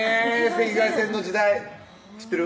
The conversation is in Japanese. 赤外線の時代知ってる？